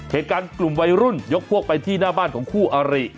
เหตุการณ์กลุ่มวัยรุ่นยกพวกไปที่หน้าบ้านของคู่อาริ